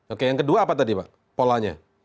oke yang kedua apa tadi pak polanya